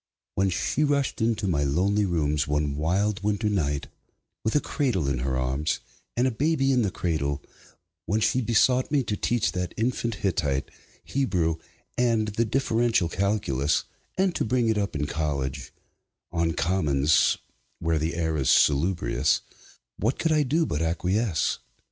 When she rushed into my lonely rooms, one wild winter night, with a cradle in her arms and a baby in the cradle; when she besought me to teach that infant Hittite, Hebrew, and the Differential Calculus, and to bring it up in college, on commons (where the air is salubrious), what could I do but acquiesce?